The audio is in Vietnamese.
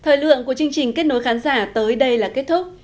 thời lượng của chương trình kết nối khán giả tới đây là kết thúc